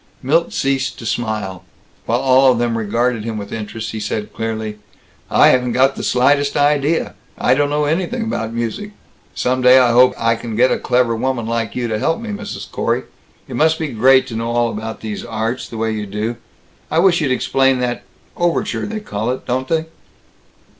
Milt ceased to smile. While all of them regarded him with interest he said clearly, "I haven't got the slightest idea. I don't know anything about music. Some day I hope I can get a clever woman like you to help me, Mrs. Corey. It must be great to know all about all these arts, the way you do. I wish you'd explain that overture they call it, don't they?"